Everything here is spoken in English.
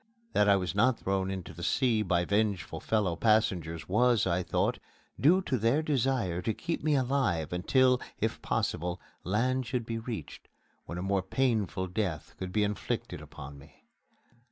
That I was not thrown into the sea by vengeful fellow passengers was, I thought, due to their desire to keep me alive until, if possible, land should be reached, when a more painful death could be inflicted upon me.